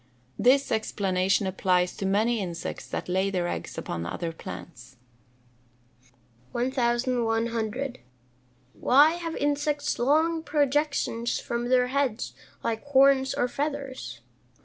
This explanation applies to many insects that lay their eggs upon other plants. 1100. _Why have insects long projections from their heads, like horns or feathers?